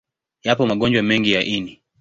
Yapo magonjwa mengi ya ini.